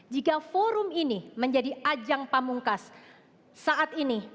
jika forum ini menjadi ajang pamungkas saat ini